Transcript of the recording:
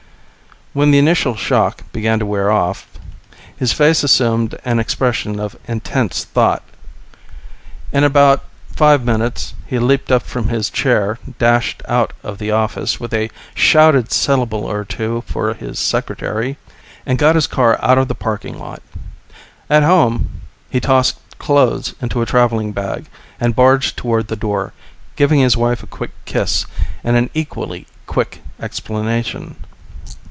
When the initial shock began to wear off, his face assumed an expression of intense thought. In about five minutes he leaped from his chair, dashed out of the office with a shouted syllable or two for his secretary, and got his car out of the parking lot. At home, he tossed clothes into a travelling bag and barged toward the door, giving his wife a quick kiss and an equally quick explanation.